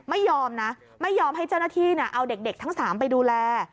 ไม่ยอมนะไม่ยอมให้เจ้าหน้าที่เอาเด็กทั้ง๓ไปดูแล